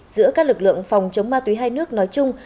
giữa các lực lượng phòng chống ma túy hai nước nói chung